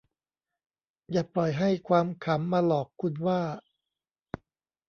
อย่าปล่อยให้ความขำมาหลอกคุณว่า